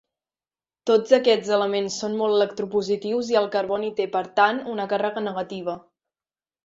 Tots aquests elements són molt electropositius i el carboni té per tant una càrrega negativa.